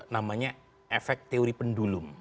namanya efek teori pendulum